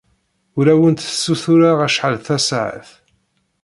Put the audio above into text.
Ur awent-ssutureɣ acḥal tasaɛet.